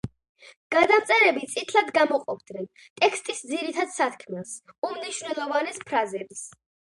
გადამწერები წითლად გამოყოფდნენ ტექსტის ძირითად სათქმელს, უმნიშვნელოვანეს ფრაზებს.